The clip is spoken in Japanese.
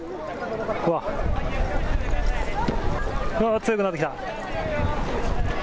うわっ、強くなってきた。